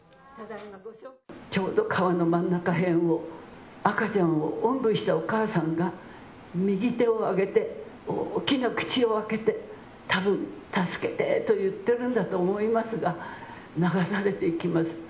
ちょうど川の真ん中辺を赤ちゃんをおんぶしたお母さんが右手を上げて大きな口を開けてたぶん助けてと言っているんだと思いますが流されていきます。